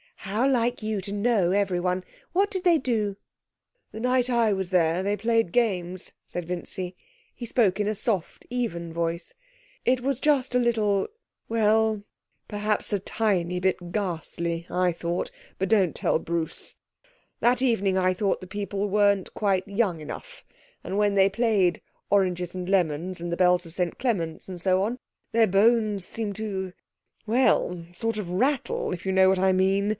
'How like you to know everyone. What did they do?' 'The night I was there they played games,' said Vincy. He spoke in a soft, even voice. 'It was just a little well perhaps just a tiny bit ghastly, I thought; but don't tell Bruce. That evening I thought the people weren't quite young enough, and when they played 'Oranges and Lemons, and the Bells of St Clements,' and so on their bones seemed to well, sort of rattle, if you know what I mean.